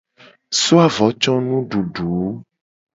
So avo co nududu.